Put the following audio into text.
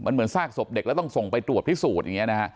เหมือนสากสบเด็กแล้วต้องส่งไปตรวจพิสูจน์